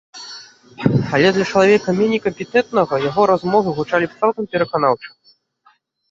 Але для чалавека меней кампетэнтнага яго размовы гучалі б цалкам пераканаўча.